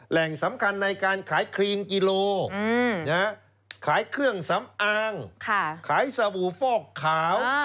แหล่งสำคัญในการขายครีมกิโลขายเครื่องสำอางขายสบู่ฟอกขาว